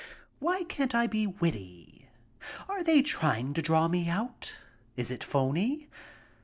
Why can't I be witty? Are they trying to draw me out? Is it phony?